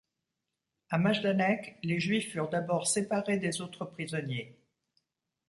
À Majdanek, les Juifs furent d'abord séparés des autres prisonniers.